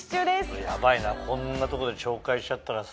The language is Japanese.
これヤバいなこんなとこで紹介しちゃったらさ